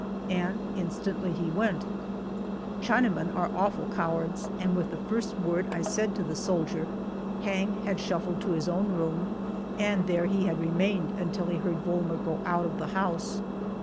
and instantly he went. Chinamen are awful cowards, and with the first word I said to the soldier, Hang had shuffled to his own room, and there he had remained until he heard Volmer go out of the house.